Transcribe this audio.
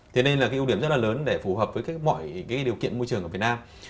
thì đây là cái ưu điểm rất là lớn để phù hợp với mọi điều kiện môi trường ở việt nam